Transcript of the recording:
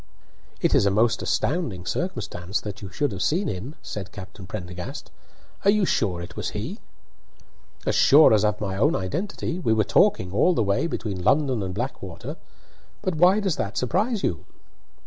"It is a most astounding circumstance that you should have seen him," said Captain Prendergast. "Are you sure it was he?" "As sure as of my own identity. We were talking all the way between London and Blackwater. But why does that surprise you?"